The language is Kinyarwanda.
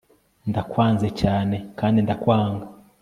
ndakwanze cyane, kandi ndakwanga